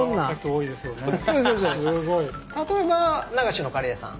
例えば流しのカレー屋さん。